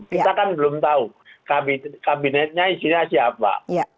kita kan belum tahu kabinetnya isinya siapa